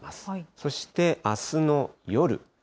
そして、あすの夜。